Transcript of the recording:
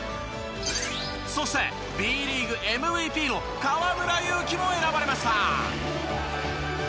そしてＢリーグＭＶＰの河村勇輝も選ばれました。